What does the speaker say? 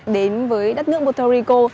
đến với đất nước puerto rico